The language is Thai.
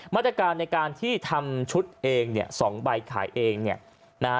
มาตรการในการที่ทำชุดเองเนี่ยสองใบขายเองเนี่ยนะฮะ